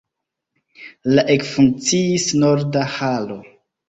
La ekfunkciis norda halo.